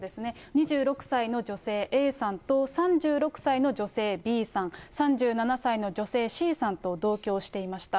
２６歳の女性Ａさんと、３６歳の女性Ｂさん、３７歳の女性Ｃさんと同居をしていました。